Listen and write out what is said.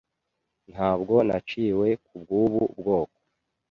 Ntabwo naciwe kubwubu bwoko.